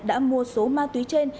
đã mua số ma túy trên